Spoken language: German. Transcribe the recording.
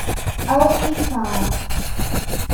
Auch die Fa.